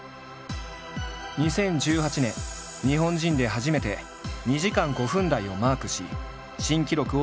２０１８年日本人で初めて２時間５分台をマークし新記録を樹立。